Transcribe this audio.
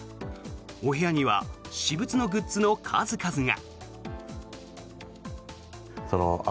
お部屋には私物のグッズの数々が。